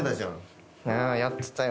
やってたよ。